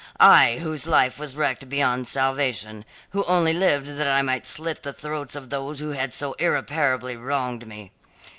I, whose life was wrecked beyond salvation; who only lived that I might slit the throats of those that had so irreparably wronged me.